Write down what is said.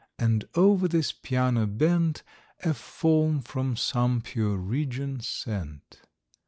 And over this piano bent A Form, from some pure region sent.